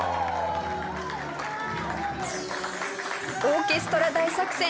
オーケストラ大作戦